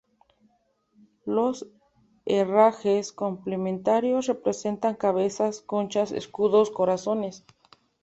Los herrajes complementarios representan cabezas, conchas, escudos, corazones.